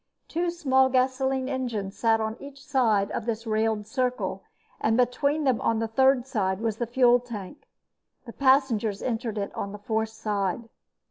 Two small gasoline engines sat on each side of this railed circle and between them on a third side was the fuel tank. The passengers entered it on the fourth side.